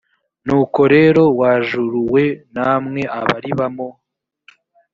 nuko rero wa juru we namwe abaribamo